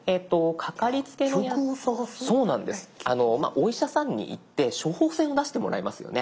お医者さんに行って処方箋を出してもらいますよね。